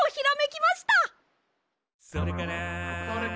「それから」